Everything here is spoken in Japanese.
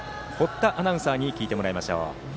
堀田智之アナウンサーに聞いてもらいます。